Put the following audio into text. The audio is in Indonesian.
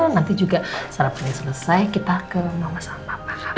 nanti juga sarapannya selesai kita ke mama sama papa